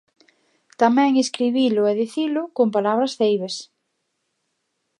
Tamén escribilo e dicilo con palabras ceibes.